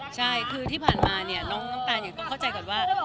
ใช่คือที่ผ่านมาเนี่ยน้องตาลก็เข้าใจก่อนว่า